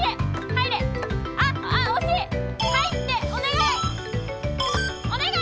入って、お願い。